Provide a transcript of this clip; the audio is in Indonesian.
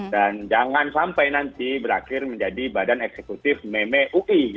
dan jangan sampai nanti berakhir menjadi badan eksekutif mem ui